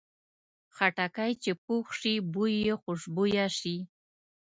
خټکی چې پوخ شي، بوی یې خوشبویه شي.